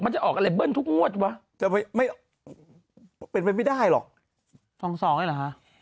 จะออกอะไรเบิ้ลทุกงวดวะจะไม่เป็นไปไม่ได้หรอกสองสองเลยเหรอคะ